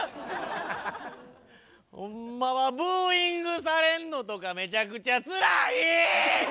ホンマはブーイングされんのとかめちゃくちゃつらい！